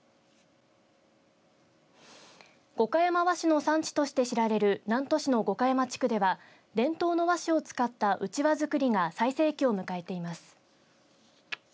五箇山和紙の産地として知られる南砺市の五箇山地区では伝統の和紙を使ったうちわ作りが最盛期を迎えています。